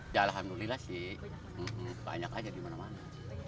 ya alhamdulillah sih banyak aja di mana mana